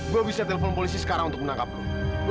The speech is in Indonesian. gue bisa telepon polisi sekarang untuk menangkap lo